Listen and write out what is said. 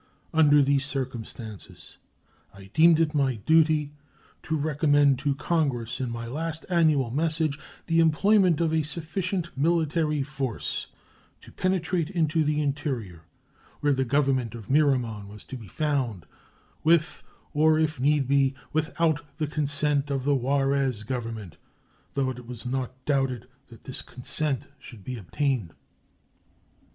Under these circumstances I deemed it my duty to recommend to Congress in my last annual message the employment of a sufficient military force to penetrate into the interior, where the Government of Miramon was to be found, with or, if need be, without the consent of the Juarez Government, though it was not doubted that this consent could be obtained.